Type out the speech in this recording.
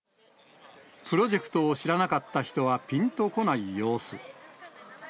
プロジェクトを知らなかった人はぴんとこない様子。